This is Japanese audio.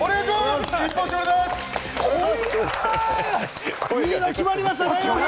いいの決まりましたね！